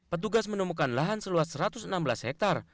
petugas menemukan lahan seluas satu ratus enam belas hektare